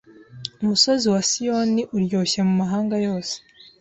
Umusozi wa Siyoni uryoshye mu mahanga yose